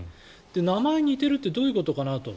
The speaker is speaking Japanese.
名前が似てるってどういうことかなと。